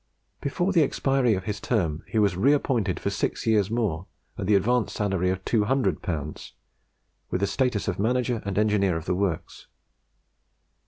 Before the expiry of his term he was reappointed for six years more, at the advanced salary of 200L., with the status of manager and engineer of the works.